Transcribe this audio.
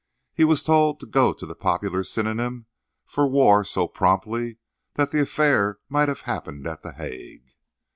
He was told to go to the popular synonym for war so promptly that the affair might have happened at The Hague.